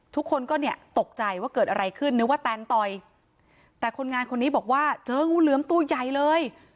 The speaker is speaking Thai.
ทุกคนก็เนี่ยตกใจว่าเกิดอะไรขึ้นนึกว่าแตนต่อยแต่คนงานคนนี้บอกว่าเจองูเหลือมตัวใหญ่เลย